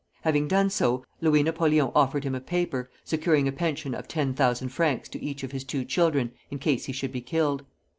Having done so, Louis Napoleon offered him a paper, securing a pension of 10,000 francs to each of his two children, in case he should be killed.